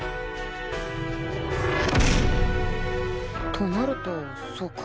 となるとそうか。